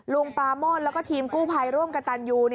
ลุงปราโมดแล้วก็ทีมกู้ภัยร่วมกับตันยู